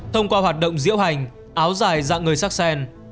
thông qua hoạt động diễu hành áo dài dạng người sắc sen